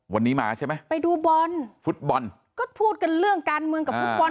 วันนี้มาใช่ไหมไปดูบอลฟุตบอลก็พูดกันเรื่องการเมืองกับฟุตบอล